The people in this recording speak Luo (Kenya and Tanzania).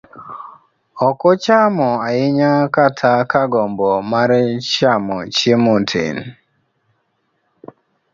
ok ochamo ahinya kata ka gombo mar chamo chiemo tin.